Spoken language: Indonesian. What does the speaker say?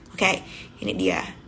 oke ini dia